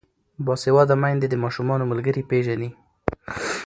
باسواده میندې د ماشومانو ملګري پیژني.